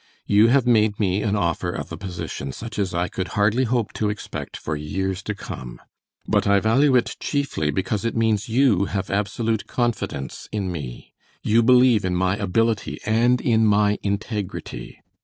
"You have made me an offer of a position such as I could hardly hope to expect for years to come, but I value it chiefly because it means you have absolute confidence in me; you believe in my ability and in my integrity.